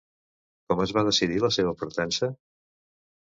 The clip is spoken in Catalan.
Com es va decidir la seva partença?